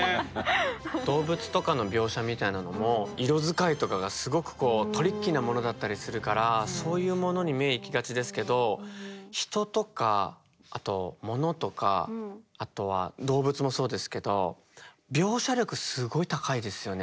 動物とかの描写みたいなのも色使いとかがすごくトリッキーなものだったりするからそういうものに目いきがちですけど人とかあと物とかあとは動物もそうですけど描写力すごい高いですよね